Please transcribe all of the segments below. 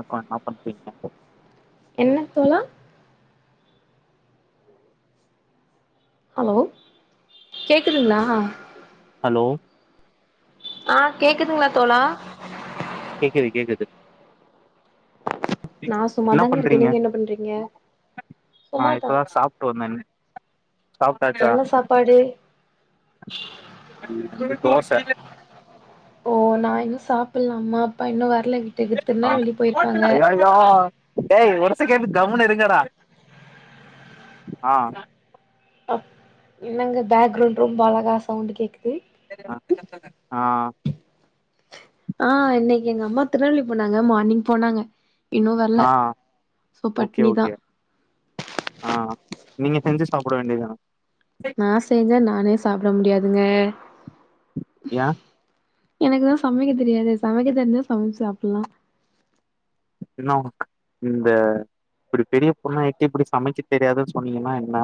[inaudible] என்ன தோலா ஹலோ கேக்குதுங்களா ஹலோ ஆ கேக்குதுங்களா தோலா கேக்குது கேக்குது நான் என்ன சும்மாதாங்க இருக்க பண்றீங்க நீங்க என்ன பண்றீங்க நா சும்மாதா இப்பதான் சாப்ட்டு வந்தன் சாப்ட்டாச்சா என்ன சாப்பாடு தோசை ஓ நான் இன்னும் சாப்டலாமா அப்பா இன்னும் வரல வீட்டுக்கு திருநெல்வேலி போயிருக்காங்க யா ஏய் ஒரு செகண்டு கம்னு இருங்கடா ஆ அ என்னங்க பேக்ரவுண்ட் ரொம்ப அழகா சவுண்ட் கேக்குது ஆ ஆ இன்னைக்கு எங்க அம்மா திருநெவல்வேலி போனாங்க மார்னிங் போனாங்க இன்னும் வரலை ஆ ஸோ ஓகே பட்னி ஓகே தான் ஆ நீங்க செஞ்சு சாப்ட வேண்டியதுதான நா செஞ்ச நானே சாப்ட முடியாதுங்க யா எனக்குதான் சமைக்க தெரியாது சமைக்க தெரிஞ்சா சமைச்சு சாப்பிடலாம் இன்னு உனக்கு இந்த இப்டி பெரிய பொண்ணா ஆய்ட்டு இப்டி சமைக்க தெரியாதுன் சொன்னீங்கன்னா என்னா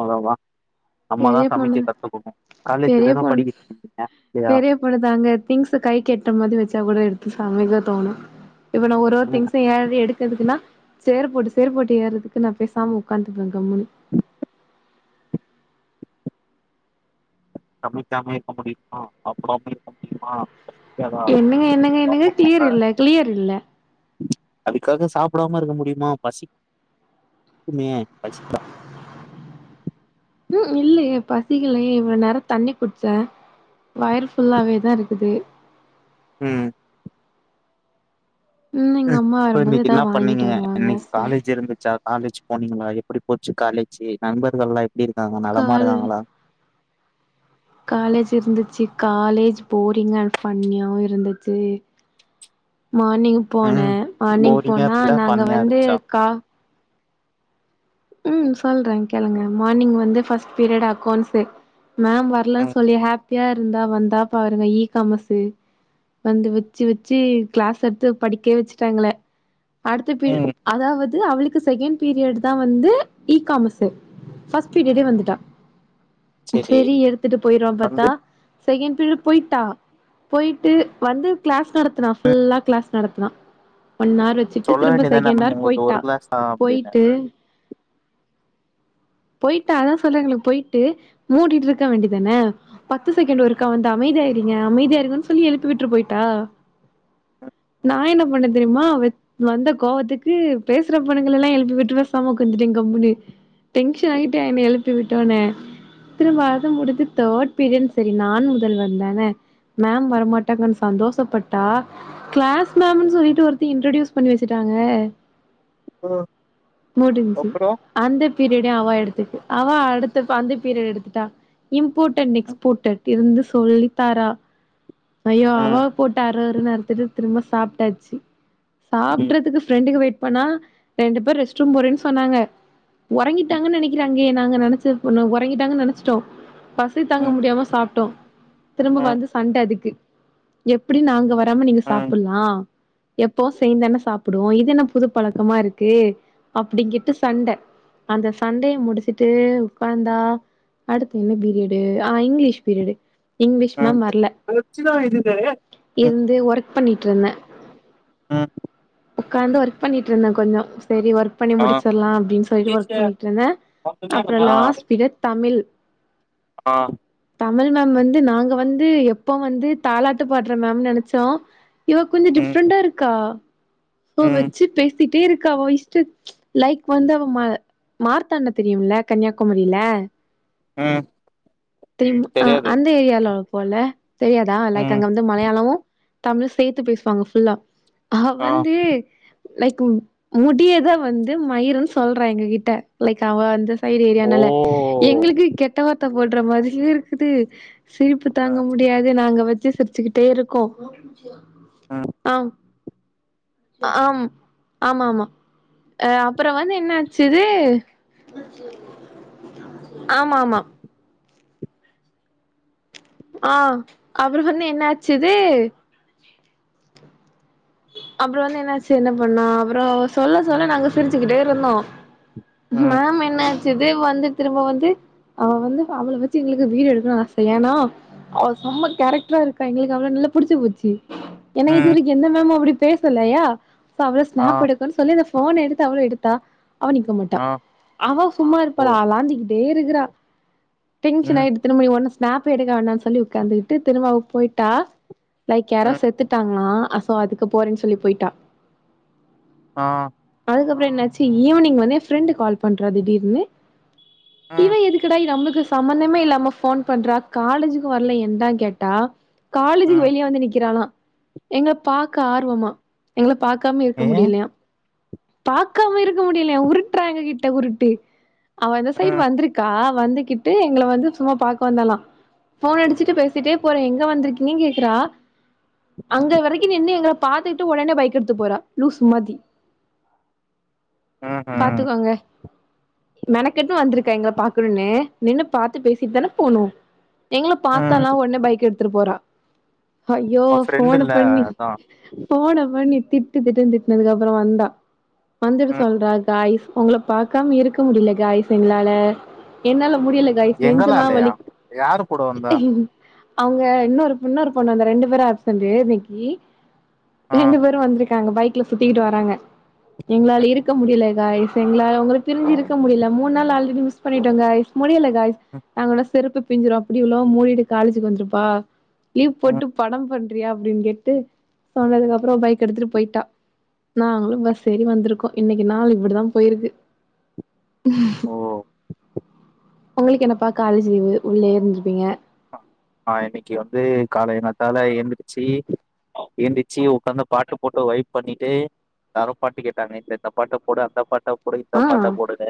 அவ்ளோதா அம்மா தா பெரிய சமைக்க பொண்ணு கத்துக்கணு காலேஜ் தான படிக்கிறிங்க இல்லயா இவ்ளோ தாங்க திங்ஸ் கை கெட்டுற மாதிரி வச்சா கூட எடுத்து சமைக்க தோணு இவன ஒரு ஒரு ம் திங்ஸயாவது எடுத் எதுக்குன்னா சேர் போட்டு சேர் போட்டு ஏறதுக்கு நா பேசாம உக்காந்துப்ப கம்முனு சமைக்காமையே இருக்க முடியுமா சாப்டாமயு இருக்க முடியுமா இருக்காதா என்னங்க என்னங்க என்னங்க கிளியர் சாப்புட்ணுல்ல இல்ல கிளியர் இல்ல அதுக்காக சாப்டாம இருக்க முடியுமா பசிக்மே பசி ம் இல்லயே பசிக்கலயே இவ்ளோ நேர தண்ணி குடிச்ச வயறு ஃபுல்லாவே தா இருக்குது ம் ம் எங்க அம்மா இப்ப வரும்போது இன்னைக்கு என்ன எதாவது பண்ணீங்க வாங்கிட்டு வருவாங்க இன்னைக்கு ஸ்நாக்ஸ் காலேஜ் இருந்துச்சா காலேஜ் போனீங்ளா எப்டி போச்சு காலேஜு நண்பர்கள்ல்லா எப்டி இருக்காங்க நலமா கால் இருக்காங்களா காலேஜ் இருந்துச்சு காலேஜ் போரிங் அன்ட் பண்ணியாவு இருந்துச்சு மார்னிங் போனே ம் மார்னிங் போரிங்கா போனா இருந்துச்சா நாங்க ஃபன்னியா வந்து இருந்துச்சா கா ம் சொல்ற கேளுங்க மார்னிங் வந்து ஃபர்ஸ்ட் பீரியட் அக்கௌண்ட்ஸ்ஸு மேம் வரலன் ம் சொல்லி ஹாப்பியா இருந்தா வந்தா பாருங்க ஈ காமஸ்ஸு வந்து வச்சு வச்சு கிளாஸ் எடுத்து படிக்க வச்சுட்டா எங்கள அடுத்தது ம் அதாவது அவளுக்கு செகண்ட் பீரியட் தா வந்து இ காமர்ஸ் ஃபர்ஸ்ட் பீரியடே வந்துட்ட செரி எடுத்துட்டு போயிருவான் பாத்தா வந்து செகண்ட் பீரியட் போய்ட்டா போய்ட்டு வந்து கிளாஸ் நடத்துனா ஃபுல்லா கிளாஸ் நடத்துனா ஒன் ஆர் வச்சுட்டு சொல்ல திரும்ப வேண்டியதான செகண்ட் மேம் ஆர் உங்களுக்கு ஒரு போய்ட்டா கிளாஸ் தா அப்டின்னு போய்ட்டு போய்ட்டா அதா சொல்றாங்களே போய்ட்டு மூடிட்டு இருக்க வேண்டிதான பத்து செகண்ட் ஒருக்கா வந்து அமைதியாயிருங்க அமைதியா இருங்கன் சொல்லி எழுப்பி விட்டு போய்ட்டா நா என்ன பண்ண தெரியுமா வந்த கோவத்துக்கு பேசுற பொண்ணுங்களல்லா எழுப்பி விட்ருவ சம்ம குடுத்துட்டே கம்முனு டென்ஷன் ஆய்ட்ட என்ன எழுப்பி விட்டவொனே சித்திர மாத முடிஞ்சு தேர்ட் பீரியட்னு சரி நான் முதல்வன் தான மேம் வரமாட்டாங்கன் சந்தோஷப்பட்டா கிளாஸ் மேம்னு சொல்லிட்டு ஒருத்தி இன்ட்ரடியூஸ் பண்ணி வச்சுட்டாங்க ம் முடிஞ்ச்சு அப்றோ அந்த பீரியட் அவா எடுத்துக்கு அவா அடுத்த அந்த பீரியட் எடுத்துட்டா இம்போர்ட் அன்ட் ம் எக்ஸ்போர்ட்டட் இருந்து சொல்லித்தரா ஐயோ ம் அவா போட்டா அரு அருன் அருத்துட்டு திரும்ப சாப்ட்டாச்சு ம் சாப்ட்றதுக்கு ஃப்ரெண்டுக்கு வெயிட் பண்ணா ரெண்டு பேர் ரெஸ்ட் ரூம் போறேன் சொன்னாங்க உறங்கிட்டாங்கன்ன நெனைக்கிற அங்கயே நாங்க நெனச்சு போல உறங்கிட்டாங்கன் நெனச்சிட்டோ பசி தாங்க ம் முடியாம சாப்ட்டோ திரும்ப ம் வந்து சண்ட அதுக்கு எப்டி நாங்க வர ரம்மு நீங்க ம் சாப்புட்லா எப்பவு சேந்துதான சாப்புடுவோ இது என்ன புது பழக்கமா இருக்கு அப்டிங்கிட்டு சண்ட அந்த சண்டய முடிச்சுட்டு உக்காந்தா அடுத்து என்ன பிரிடு ஆ இங்கிலீஷ் பிரிடு இங்கிலீஷ் மேம் வர்ல ஒச்சுதா இருந்ததே இருந்து ஒர்க் பண்ணிட்ருந்த ஆ உக்காந்து ஒர்க் பண்ணிட்ருந்தே கொஞ்ச செரி ஒர்க் பண்ணி ஆ முடிச்சர்லா அப்டின் சொல்லிட்டு ஒர்க் டீச்சர். பண்ணிட்ருந்தே அப்பற ஆ. லாஸ்ட் பீரியட் தமிழ் ஆ தமிழ் மேம் வந்து நாங்க வந்து எப்போ வந்து தாலாட்டு பாடுற மேம்னு நெனச்சோ இவ கொஞ்ச ம் டிஃப்ரெண்டா இருக்கா சோ ம் வெச்சு பேசிட்டே இருக்கா அவ இஸ்ட லைக் வந்து அவ மா மார்த்தான்ட தெரியுல்ல கன்னியாகுமரில ம் தெரி ஆ தெரியாது அந்த ஏரியாலால போல தெரியாதா லைக் ம் அங்க வந் து மலையாளமு தமிழு சேத்து பேசுவாங்க ஃபுல்லா அவ ஆ வந்து லைக் முடியதா வந்து மயிருன் சொல்ற எங்க கிட்ட லைக் அவ அந்த சைடு ஓ ஏரியானால எங்களுக்கு கெட்ட வார்த்த போடற மாதிரியே இருக்குது சிரிப்பு அ தாங்க முடியாது நாங்க வெச்சு சிரிச்சுக்கிட்டே இருக்கோ ம் ஆ ஆம் ஆமாமா அ அப்பற வந்து என்ன ஆச்சு இது ஆமாமா ஆ அப்பற வந்து என்னாச்சு அது அப்பற வந்து என்னாச்சு என்ன பண்ணோ அப்பற சொல்ல சொல்ல நாங்க சிரிச்சுக்கிட்டே இருந்தோ ம் மேம் என்ன இதே வந்து திரும்ப வந்து அவ வந்து அவள வெச்சி எங்களுக்கு வீடியோ எடுக்கணுன் ஆச ஏனா அவ செம்ம கேரக்டரா இருக்கா எங்களுக்கு அவள நல்லா புடிச்சு போச்சு ஏன்னா ம் இதுவரைக்கு எந்த மேமு அப்படி பேசலையா இப்ப அவள ஆ ஸ்னாப் எடுக் றன் சொல்லி அந்த ஃபோன் எடுத்து அவள எடுத்தா அவ நிக்க மாட்டா ஆ அவ சும்மா ஓ இருப்பாளா அவளாஞ்சி ட்டே இருக்கறா டென்ஷன் ம் ஆயிடுச் திரும்ப நீ ஒன்னு ஸ்னாப்பே எடுக்க வேண்டான் சொல்லி உக்காந்துக்கிட்டு திரும்ப அவ போய்ட்டா லைக் யாரோ ம் செத்துட்டாங்களா சோ அதுக்கு போறேன் சொல்லி போயிட்டா ஆ அதுக்கப்பற என்னாச்சு ஈவினிங் வந்து எ ஃபிரெண்டு கால் பண்றா திடீர்னு ம் இவ எதுக்கு டா நம்மளுக்கு சம்பந்தமே இல்லாம ஃபோன் பண்றா காலேஜுக்கு வரல என்டா கேட்டா காலேஜுக்கு ம் வெளிய வந்து நிக்கறாளா எங்கள பாக்க ஆர்வமா எங்கள பாக்காம இருக்க ஏ முடியலையா பாக்காம இருக்க முடியலையா உருட்டுறா எங்கிட்ட உருட்டு அவ அந்த சைடு ம் வந்துருக் கா வந்துகிட்டு எங்கள வந்து சும்மா பாக்க வந்தாலா ஃபோன் அடிச்சுட்டு பேசிட்டே போறே எங்க வந்திருக்கிங்கன் கேக்குறா ம்ஹும் அங்க வரைக்கு நின்னு எங்கள பாத்துட்டு உடனே பைக் எடுத்துட்டு போறா லூசு மாதி ம் பாத்துகோங்க மெனக்கெட்டு வந்திருக்கா எங்கள பாக்கனுனு நின்னு பாத்து பேசிட்டு தானே போனு எங்கள பாத்தாலா ம் ஒடனே பைக் எடுத்துட்டு போறா ஐயோ உங்க ஃப்ரெண்டு ஃபோன இல்ல பண்ணி அதா ஃபோன பண்ணி திட்டு திட்டுன்னு திட்னதுக்கு அப்புறோ வந்தா வந்துட்டு ம் சொல்றா காய்ஸ் உங்கள பாக்காம இருக்க முடில காய்ஸ் எங்ளால என்னால முடில காய்ஸ் எங்கெல்லா நெஞ்செலா இல்லையா வலி யாரு கூட வந்தா அங்க இன்னொரு இன்னொரு பொண்ணு அந்த ரெண்டு பேரு ஆப்செண்டு இன்னிக்கு ஆ ரெண்டு பேரு வந்திருக்காங்க பைக்ல சுத்திக்கிட்டு வராங்க எங்ளால இருக்க முடில காய்ஸ் எங்ளால உங்கள பிரிஞ்சு இருக்க முடில மூனு நாள் ஆல் ரெடி மிஸ் பண்ணிட்டோ காய்ஸ் முடியல காய்ஸ் ம் நாங்கோட செருப்பு பிஞ்சிரு அப்பிடி உள்ளவ மூடிட்டு காலேஜுக்கு வந்திருப்பா லீவ் ம் போட்டு படம் பண்றியா அப்டின்னு கேட்டு சொன்னதுக்கப்றோ பைக் எடுத்துட்டு போயிட்டா நாங்களு பஸ் ஏறி வந்திருக்கோ இன்னிக்கு நாள் இப்பிடிதா போயிருக்கு ஓ உங்குளுக் என்னப்பா காலேஜ் லீவு உள்ளயே இருந்திருப்பீங்க ஆ இன்னைக்கு வந்து காலயங் காத்தால எந்துருச்சி எந்திச்சி உக்காந்து பாட்டு போட்டு வைப் பண்ணிட்டு யாரோ பாட்டு கேட்டாங்க இந்த இந்த பாட்ட போடு அந்தப் பாட்ட போடு இந்த ஆ பாட்ட போடுனு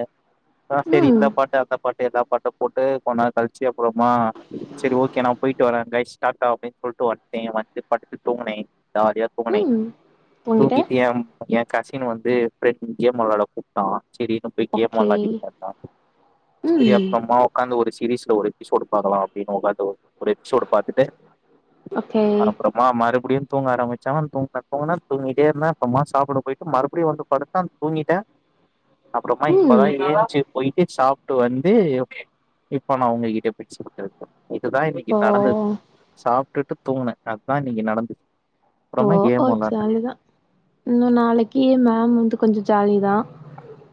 அ சேரி இந்த ம் பாட்டு அந்த பாட்டு எல்லா பாட்டு போட்டு கொன்நேர் கழிச்சு அப்றோமா சேரி ஒ ஓ கே நா போயிட்டு வாரே கய்ஸ் டாட்டா அப்டின் சொல்ட்டு வன்ட்டே வந்து படுத்து துங்குனோ ஜாலியா போகனை ம் உங்கிட்ட தூங்கிட்டி யம் எ கசின் வந்து ஃப்ரெண்ட் கேம் வெளாட கூப்டா சேரின்னு போய் கேம் ஓகே வெளாடிட்டு பாத்தா சேரி ம் அப்றோமாவ் ஒக்காந்து ஒரு சீரிஸ்ல ஒரு எபிசோடு பாக்கலா அப்டினு ஒக்காந்தோ ஒரு எபிசோடு பாத்துட்டு ஓகே அனுப்புறம் மா மறுபடியு தூங்க ஆரம்பிச்ச தூங்குன தூங்குன தூங்கிட்டே இருந்தா அப்றோமா சாப்ட போயிட்டு மறுபடியு வந்து படுத் [unintelligible] தூங்கிட்ட அப்றோமா இப்பதா ம் ஏஞ்சு போயிட்டு சாப்ட்டு வந்து இப்ப நா உங்ககிட்ட பேசிட்ருக்க இதுதா இன்னிக்கு ஓ நடந்தது சாப்டுட்டு தூங்குனே அதா இன்னிக்கு நடந்தது ஓ ஓ ஜாலிதா இன்னுர் நாளைக்கு மேம் வந்து கொஞ்சோ ஜாலி தா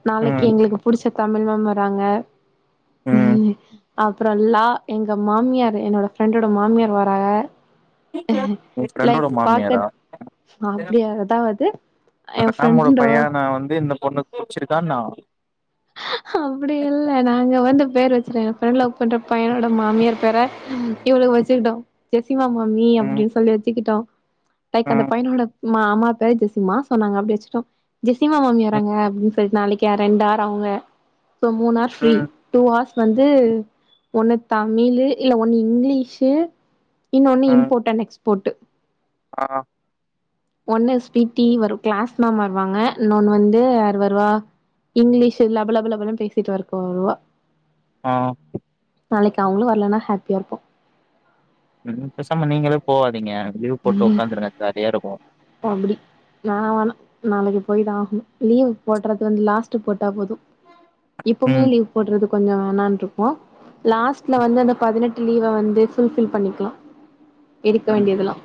நாளைக்கு ம், எங்குளுக்கு புடிச்ச தமிழ் மேம் வராங்க ம். அப்பறோல்லா எங்க மாமியார் என்னோட ஃப்ரெண்டோட மாமியார் வராக உன் ஃப்ரெண்டோட லைக் மாமியாரா? பாகத் அ அப்புடியா அதாவது எ ஃப்ரெண்டோ நா வந்து இந்த பொண்ணுக் புட்ச்சுருக்கா ணா ஹப்புடி இல்ல நாங்க வந்து பேர் வெச் எ ஃப்ரெண்ட் லவ் பண்ற பையனோட மாமியார் பேர இவளுக் வெச்சுக்ட்டோ ஜெசிமா மாமி ம், அப்புடின் சொல்லி வெச்சுக்கிட்டோ லைக் அந்த ம், பையனோட மாமா பேரு ஜெசிம்மா சொன்னாங்க அப்புடி வெச்சுட்டோ ஜெசிமா மாமி ம், வராங்க அப்டின் சொல்ட் நாளைக் யா ரெண்டார் அவுங்க சோ மூண் ஆர் ஃப்ரீ ம், டூ ஹார்ஸ் வந்து ஒண்ணு தமிலு இல்ல ஒண்ணு இங்கிலீசு இன்னொனு ம். இம்போட் அண்ட் எக்ஸ்போட்டு ஆ ஒண்ணு ஸ்பீட்டி வரு க்ளாஸ் மேம் வருவாங்க இன்னொண்ணு வந்து யார் வருவா இங்கிலீசு லபலபலபலு பேசிட்டுவர்க் வருவா ஆ நாளைக்கு அவுங்குளு வர்லன்னா ஹாப்பியா இருப்போ உம் பேசாம நீங்களு போவாதீங்க லீவ் போட்டு ஒக்காந்துருங்க ஜாலியா இருக்கு [unintelligible] நா வேணா நாளைக்கு போயிதா ஆகணு லீவ் போட்றது வந்து லாஸ்ட்டு போட்டா போது இப்பவுமே ம், லீவ் போட்றது கொஞ்சோ வேணான்ட்ருக்கு லாஸ்ட்ல ம், வந்து அந்த பதினெட் டு லீவ வந்து ஃபுல்ஃபில் பண்ணிக்லா எடுக்க ம். வேண்டியதுல்லா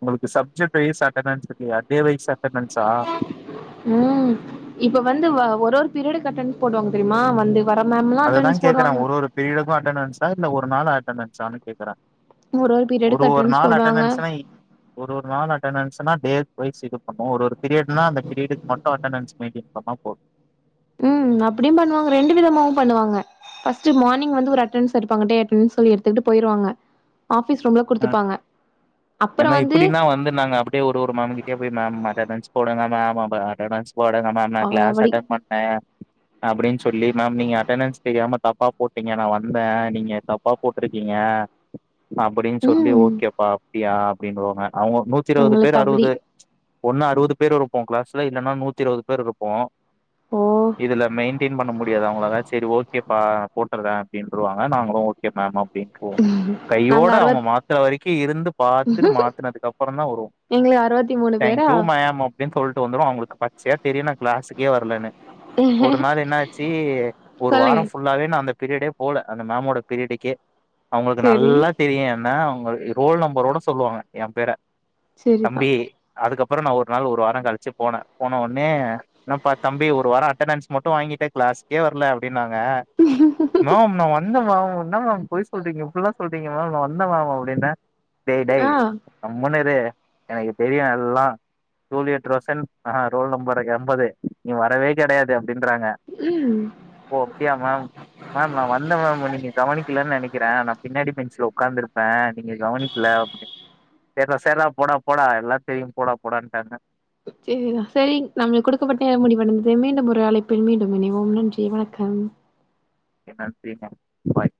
உங்களுக்கு சப்ஜெக்ட் வைஸ் அடனன்ஸ் இல்லையா டே வைஸ் அடனன்ஸா உம் இப்ப வந்து வ ஒரொரு பீரியடுக் அட்டன்ஸ் போடுவாங்க தெரிமா வந்து வர மேம்லா அடனன்ஸ் போடுவாங்க ப்ரியட்டுக்கு அட்டனன்ஸா இல்ல ஒரு நாள் அட்டனன்ஸானு கேக்குறாங்க ஒரு பீரியடுக்கு ஒரு அட்டன்ஸ் நாள் போடுவாங்க அட்டனன்ஸுனா ஒரு ஒரு நாள் அட்டனன்ஸுனா டே பை ஜீரோ இது பண்ணுவோ ஒரு ஒரு பீரியட்னா அந்த பீரியடுக்கு மட்டு அட்டனன்ஸ் மெயின்டென் பண்ணா போது ம் அப்படியு பண்ணுவாங்க ரெண்டு விதமாவு பண்ணுவாங்க பஸ்ட்டு மார்னிங் வந்து ஒரு அட்டனன்ஸ் எடுப்பாங்க டே அட்டனன்ஸ்ன்னு சொல்லி எத்துகிட்டு போய்ருவாங்க ஆபிஸ் ரூம்ல அ குடுத்துப்பாங்க அப்புறோ ஏன்னா வந்து இப்புடின்னா வந்து நாங்க அப் ப்டியே ஒரு ஒரு மேம் கிட்டேயா போய் மேம் அட்டனன்ஸ் போடுங்க மேம் அப்ப அட்டனன்ஸ் போடுங்க மேம் நா க்ளாஸ் ஆவடி அட்டன் பண்ணே அப்பனடின்னு சொல்லி மேம் நீங்க அட்டனன்ஸ் தெரியாம தப்பா போட்டிங்க நா வந்தே நீங்க தப்பா போட்ருக்கீங்க அப்டின்னு சொல்லி ம் ஓகேப்பா அப்டியா அப்டின்னுவாங்க அவுங்க நூத்தி இருவது உங்களுக்கு பேர் அப்டி அறுவது ஒண்ணு அறுவது பேர் இருப்போ க்ளாஸ்ல இல்லன்னா நூத்தி இருவது பேர் இருப்போ ஓ இதுல மெயின்டெயின் பண்ண முடியாது அவுங்களால செரி ஓகேப்பா போட்டுர்றே அப்டின்ருவாங்க நாங்களு ஓகே மேம் அப்டின்றுவோ நாங்க கையோட அவுங்க அறுவத் மாத் த்துற வரைக்கு இருந்து பாத்துட்டு மாத்துனதுக்கு அப்பறந்தா வருவோ எங்களுக்கு அறுவத்தி மூணு பேரா தேங்க்யூ மேம் அப் டின்னு சொல்ட்டு வந்துருவோ அவுங்களுக்கு பச்சயா தெரியு நா க்ளாஸுகே வர்லனு ஒரு நாள் என்னாச்சு ஒரு வாரோ சொல்லுங்க ஃபுல் னல்லாவே நா அந்த பீரியடே போல அந்த மேம் ஓட பீரியடுக்கே அவுங்களுக்கு சேரி நல்லா தெரியு என்ன அவுங் களுக்கு ரோல் நம்பரோட சொல்லுவாங்க எ பேர செரிதான் தம்பி அதுக்கப்பறோ நா ஒரு நாள் ஒரு வாரோ கழ்ச்சு போனே போன ஒட்னே என்ன பா தம்பி ஒரு வாரோ அட்டனன்ஸ் மட்டு வாங்கிட்ட க்ளாஸ்கே வர்ல அப்டின்னாங்க மேம் நா வந்தே மேம் என்ன மேம் பொய் சொல்றீங்க இப்புல்லா சொல்றீங்க மேம் நா வந்தே மேம் அப்டி என்ன டேய் டேய் ஆ கம்முனு இரு எனக்கு தெரியு எல்லா டூலியட் ரோசன் ஆ ரோல் நம்பருக்கு எம்பது நீ வரவே கெடையாது அப்டின்றாங்க ம் ஓகேயா மேம் மேம் நா வந்தே மேம் நீங்க கவனிக்கலன்னு நெனைக்கிறே நா பின்னாடி பெஞ்சுல உக்காந்துருப்பே நீங்க கவனிக்கல அப்டின் சேர்ரா சேர்ரா போடா போடா எல்லா தெரியு போடா போடான்ட்டாங்க செரிதா செரிங் நம்மளுக்கு குடுக்கப்பட்ட நேரோ முடிவடைந்தது மீண்டும் ஒரு அழைப்பில் மீண்டும் இணைவோம் நன்றி வணக்கம் என்னாச்சு மேம் ஃபாய்